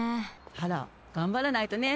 あらがんばらないとね。